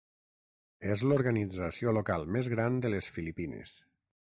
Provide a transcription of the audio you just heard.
És l'organització local més gran de les Filipines.